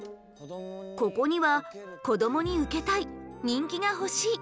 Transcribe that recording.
ここには「こどもにウケたい！」「人気が欲しい！」